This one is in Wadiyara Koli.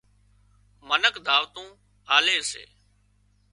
منک دعوتون آلي سي